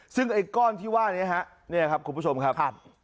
ซึ่งไอ้ก้อนนี้คุณผู้ชมครับ